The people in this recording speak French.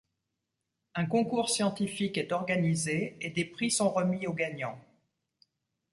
Un concours scientifique est organisé et des prix sont remis aux gagnants.